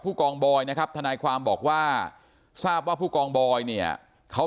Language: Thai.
กองบอยนะครับทนายความบอกว่าทราบว่าผู้กองบอยเนี่ยเขา